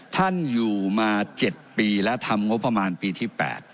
ท่านอยู่มา๗ปีและทำงบประมาณปีที่๘